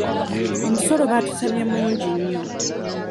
Omusolo batusabye mungi nnyo.